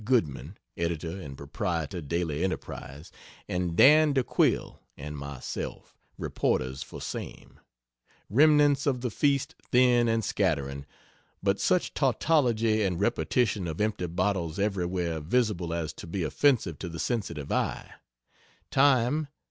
Goodman, (editor and proprietor Daily "Enterprise"), and "Dan de Quille" and myself, reporters for same; remnants of the feast thin and scattering, but such tautology and repetition of empty bottles everywhere visible as to be offensive to the sensitive eye; time, 2.